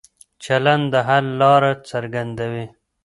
چلن د حل لاره څرګندوي.